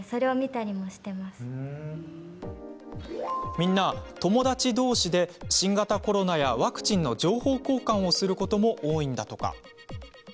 みんな、友達どうしで新型コロナやワクチンの情報交換することも多いのだとか。